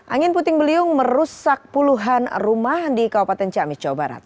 angin puting beliung merusak puluhan rumah di kabupaten ciamis jawa barat